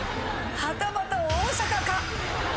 はたまた大阪か。